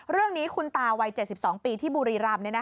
เรื่องนี้คุณตาวัย๗๒ปีที่บุรีรำ